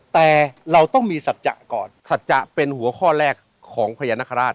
แต่เราต้องมีศัตริย์จักรก่อนศัตริย์จักรเป็นหัวข้อแรกของพญานาคาราช